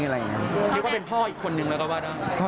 นี่ก็เป็นพ่ออีกคนหนึ่งแล้วก็ว่า